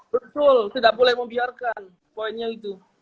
betul tidak boleh membiarkan poinnya itu